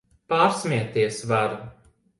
Pārsmieties var!